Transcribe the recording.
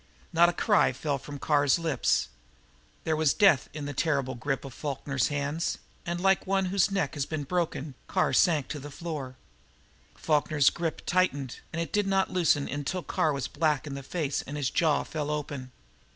Not a cry fell from Carr's lips. There was death in the terrible grip of Falkner's hands, and like one whose neck had been broken Carr sank to the floor. Falkner's grip tightened, and he did not loosen it until Carr was black in the face and his jaw fell open.